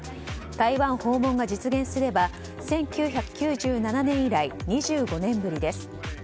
台湾訪問が実現すれば１９９７年以来、２５年ぶりです。